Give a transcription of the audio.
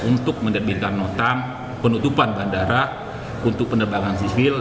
untuk menerbitkan notam penutupan bandara untuk penerbangan sivil